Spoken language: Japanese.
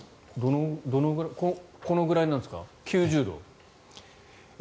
どのぐらいこのぐらいなんですか、９０度。